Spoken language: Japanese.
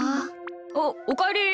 あっおかえり。